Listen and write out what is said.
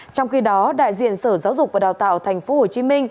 trong khi đó đại diện sở giáo dục và đào tạo tp hcm